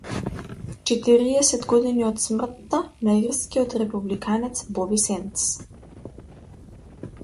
Четириесет години од смртта на ирскиот републиканец Боби Сендс